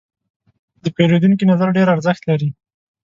د پیرودونکي نظر ډېر ارزښت لري.